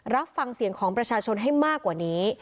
รับฟังเสียงของประชาชนให้มากกว่านี้